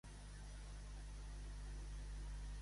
Podries telefonar el telèfon d'Emergències?